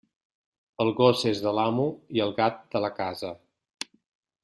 El gos és de l'amo, i el gat, de la casa.